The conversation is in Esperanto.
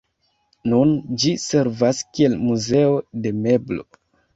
Nun ĝi servas kiel muzeo de meblo.